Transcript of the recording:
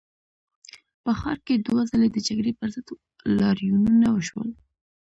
په ښار کې دوه ځلي د جګړې پر ضد لاریونونه وشول.